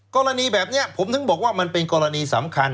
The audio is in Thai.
กรณีแบบนี้ผมถึงบอกว่ามันเป็นกรณีสำคัญ